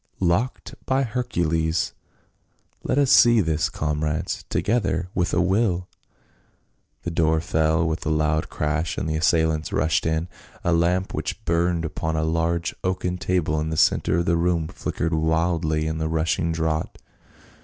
" Locked, by Hercules ! Let us see to this, comrades. Together ! with a will !" The door fell with a loud crash and the assailants rushed in. A lamp which burned upon a large oaken table in the centre of the room flickered wildly in the rushing draught.